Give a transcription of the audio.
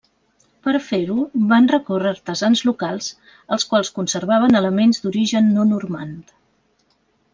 Per a fer-ho, van recórrer a artesans locals, els quals conservaven elements d'origen no normand.